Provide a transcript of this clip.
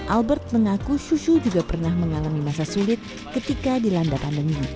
albert mengaku susu juga pernah mengalami masa sulit ketika dilanda pandemi